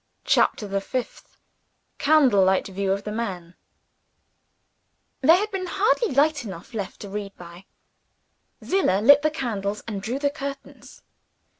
CHAPTER THE FIFTH Candlelight View of the Man THERE had been barely light enough left for me to read by. Zillah lit the candles and drew the curtains.